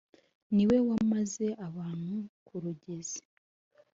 Ni we wamaze abantu ku Rugezi.